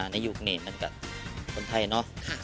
ในยุคในเหมือนกับคนไทยเนาะ